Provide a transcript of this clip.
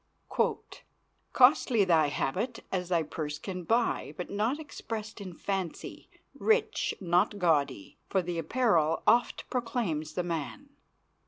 ] "Costly thy habit as thy purse can buy, But not expressed in fancy; Rich, not gaudy, For the apparel oft proclaims the man."